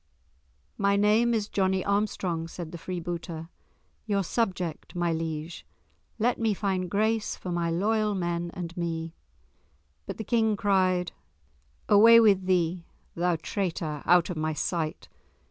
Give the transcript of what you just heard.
"My name is Johnie Armstrong," said the freebooter, "your subject, my liege; let me find grace for my loyal men and me." But the King cried, "Away with thee, thou traitor, out of my sight!